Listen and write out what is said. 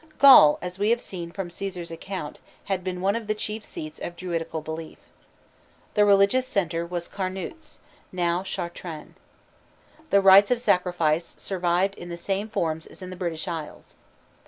Gaul, as we have seen from Cæsar's account, had been one of the chief seats of Druidical belief. The religious center was Carnutes, now Chartrain. The rites of sacrifice survived in the same forms as in the British Isles.